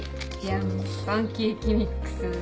パンケーキミックス。